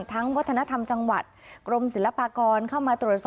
ทั้งวัฒนธรรมจังหวัดกรมศิลปรากร